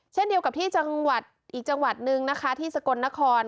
เช่นเดียวกับที่จังหวัดอีกจังหวัดนึงนะคะที่สกลนคร